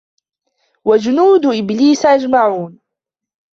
وَجُنُودُ إِبْلِيسَ أَجْمَعُونَ